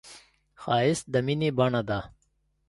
ښایست د مینې بڼه ده